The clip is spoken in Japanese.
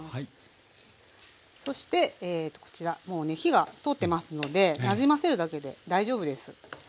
そしてこちらもうね火が通ってますのでなじませるだけで大丈夫です。